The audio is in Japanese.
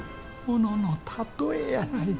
ものの例えやないかい！